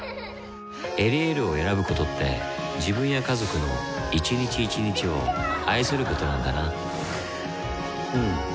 「エリエール」を選ぶことって自分や家族の一日一日を愛することなんだなうん。